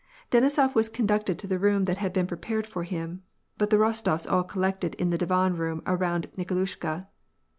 Denisof was conducted to the room that had been prepared for him, but the Rostofs all collected in the divan room around Nikolushka.